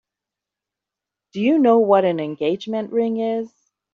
Do you know what an engagement ring is?